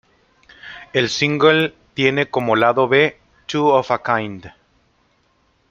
El single tiene como Lado B "Two Of A Kind".